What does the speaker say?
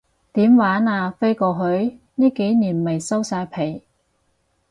點玩啊，飛過去？呢幾年咪收晒皮